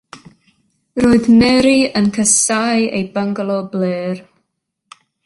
Roedd Mary yn casáu eu byngalo blêr.